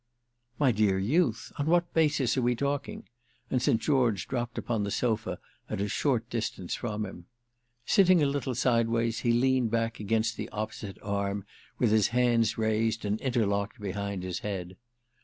"My dear youth, on what basis are we talking?" and St. George dropped upon the sofa at a short distance from him. Sitting a little sideways he leaned back against the opposite arm with his hands raised and interlocked behind his head.